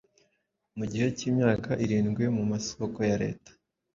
mu gihe cy’imyaka irindwi mu masoko ya Leta,